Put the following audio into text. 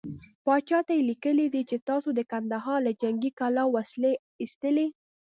پاچا ته يې ليکلي دي چې تاسو د کندهار له جنګې کلا وسلې ايستلې.